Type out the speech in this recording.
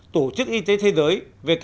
tổ chức y tế thế giới